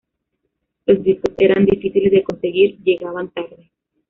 Los discos eran difíciles de conseguir y llegaban tarde.